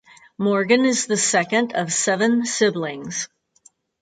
Morgan is the second of seven siblings.